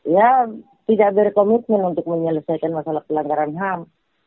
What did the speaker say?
ya tidak berkomitmen untuk menyelesaikan masalah pelanggaran ham